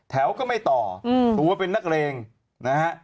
แถวก็ไม่ต่อหรือว่าเป็นนักเรงนะฮะ